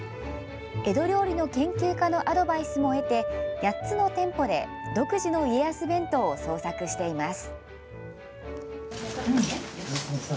江戸料理の研究家のアドバイスも得て８つの店舗で独自の家康弁当を創作しています。